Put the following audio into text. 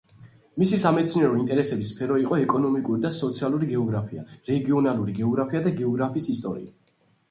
მისი სამეცნიერო ინტერესების სფერო იყო ეკონომიკური და სოციალური გეოგრაფია, რეგიონალური გეოგრაფია და გეოგრაფიის ისტორია.